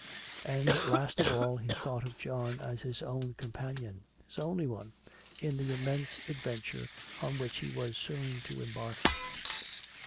And last of all he thought of John as his own companion, his only one, in the immense adventure on which he was so soon to embark.